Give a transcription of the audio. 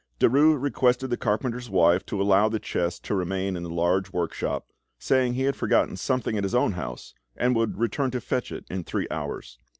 Derues requested the carpenter's wife to allow the chest to remain in the large workshop, saying he had forgotten something at his own house, and would return to fetch it in three hours.